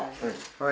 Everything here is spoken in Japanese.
はい。